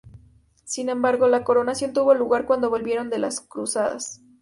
Sin embargo, la coronación tuvo lugar cuando volvieron de las Cruzadas.